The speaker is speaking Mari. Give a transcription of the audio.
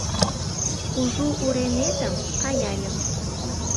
Кужу уреметым каяльым